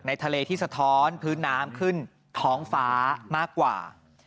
ทะเลที่สะท้อนพื้นน้ำขึ้นท้องฟ้ามากกว่า